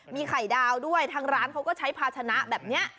มีไข่ดาวด้วยทางร้านเขาก็ใช้ภาชนะแบบนี้